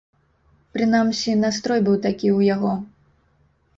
Прынамсі настрой быў такі ў яго.